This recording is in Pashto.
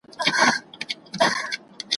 د منصور دین مي منلې او له دار سره مي ژوند دی `